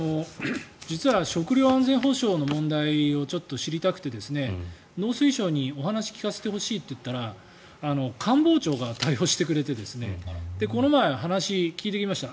実は食料安全保障の問題をちょっと知りたくて農水省にお話を聞かせてほしいって言ったら官房長が対応してくれてこの前、話を聞いてきました。